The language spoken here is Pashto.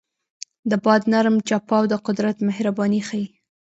د باد نرم چپاو د قدرت مهرباني ښيي.